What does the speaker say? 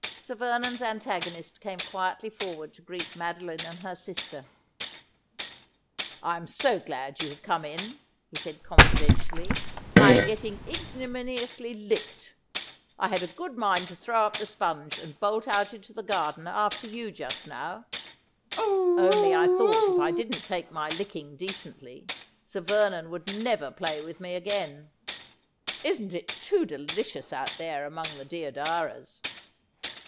Sir Vernon's antagonist came quietly forward to greet Mado line and her sister. ' I am so glad you have come in,' he said confidentially. ' I am getting ignominiously licked. I had a good mind to throw up the sponge and bolt out into the garden after you just now ; only I thought if I didn't take my licking decently. Sir Vernon would never play with me again. Isn't it too delicious out there among the deodaras